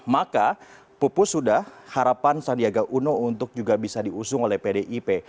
maka pupus sudah harapan sandiaga uno untuk juga bisa diusung oleh pdip